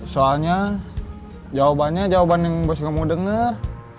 soalnya jawabannya jawaban yang bos gak mau denger